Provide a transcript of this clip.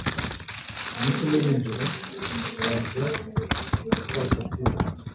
umunsi umwe nijoro, bazza yatashye atinze